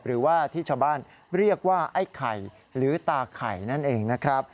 หรือว่าที่ชาวบ้านเรียกว่าไอ้ไข่หรือตาไข่นั่นเองนะครับ